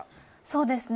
そうですね